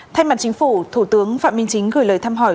thay mặt chính phủ thủ tướng phạm minh chính gửi lời thăm hỏi